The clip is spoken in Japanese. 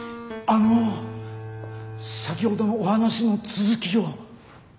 あの先ほどのお話の続きを。